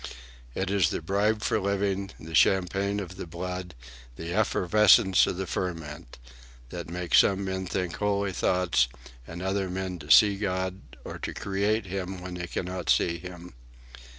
It is the bribe for living, the champagne of the blood, the effervescence of the ferment—that makes some men think holy thoughts, and other men to see God or to create him when they cannot see him.